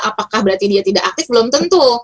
apakah berarti dia tidak aktif belum tentu